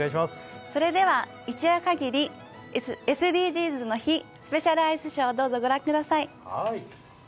それでは、一夜限りＳＤＧｓの日スペシャルアイスショー、どうぞご覧ください。